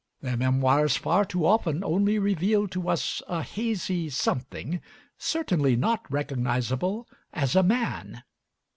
Their memoirs far too often only reveal to us a hazy something, certainly not recognizable as a man.